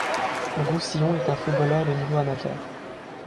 Roussillon est un footballeur de niveau amateur.